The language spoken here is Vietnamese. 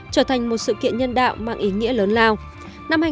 trở thành một sự kiện nhân đạo mang ý nghĩa lớn lao